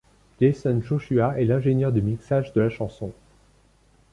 Jaycen Joshua est l'ingénieur de mixage de la chanson.